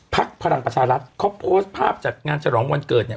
พลังประชารัฐเขาโพสต์ภาพจัดงานฉลองวันเกิดเนี่ย